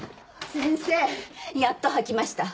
先生やっと吐きました